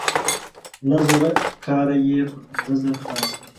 لس زره کار یې په پنځه زره خلاص کړ.